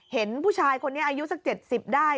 เห็นผู้ชายคนนี้อายุสัก๗๐ได้